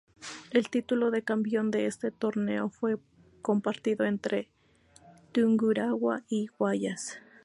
El título de campeón de este torneo fue compartido entre Tungurahua y Guayas.